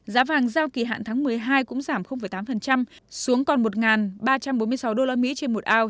giá vàng giao kỳ hạn tháng một mươi hai cũng giảm tám xuống còn một ba trăm bốn mươi sáu usd trên một ao